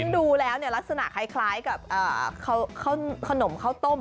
ดูแล้วลักษณะคล้ายกับขนมข้าวต้ม